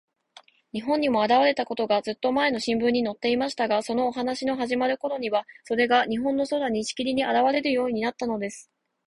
日本にもあらわれたことが、ずっとまえの新聞にのっていましたが、そのお話のはじまるころには、それが日本の空に、しきりにあらわれるようになったのです。